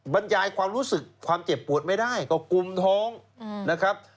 บรรยายความรู้สึกความเจ็บปวดไม่ได้ก็กุมท้องนะครับ